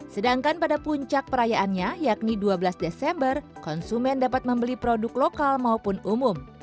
sedangkan pada puncak perayaannya yakni dua belas desember konsumen dapat membeli produk lokal maupun umum